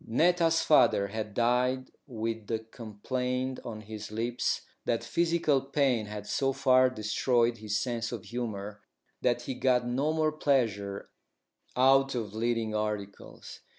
Netta's father had died with the complaint on his lips that physical pain had so far destroyed his sense of humour that he got no more pleasure out of leading articles.